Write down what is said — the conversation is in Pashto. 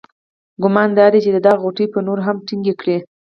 ګمان دادی چې دغه غوټې به نورې هم ټینګې کړي.